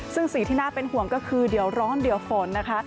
ซึ่งสิ่งที่น่าเป็นห่วงก็คือเดี๋ยวร้อนเดี๋ยวฝนนะคะ